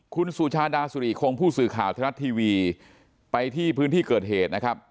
คุณสูชาดาสุริโครงผู้สื่อข่าวธนัฐทีวีไปที่พื้นที่เกิดเหตุ